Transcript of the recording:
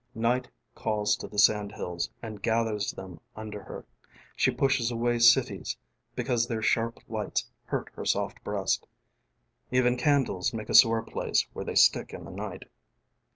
:: Night calls to the sandhills and gathers them under her. she pushes away cities because their sharp lights hurt her soft breast. Even candles make a sore place when they stick in the night.